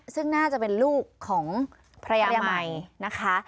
ซึ่งน่าจะเป็นลูกของภรรยาใหม่นะคะ